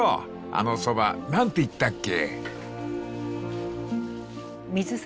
あのそば何て言ったっけ？］